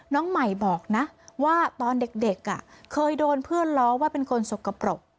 น้องใหม่บอกนะว่าตอนเด็กเคยโดนเพื่อนล้อว่าเป็นคนสกปรก